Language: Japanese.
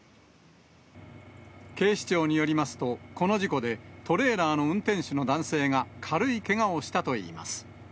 警視庁によりますと、この事故で、トレーラーの運転手の男性が軽いけがをしたといいます。